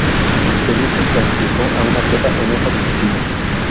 Belice clasificó a un atleta en esta disciplina.